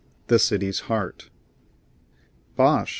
THE CITY'S HEART "Bosh!"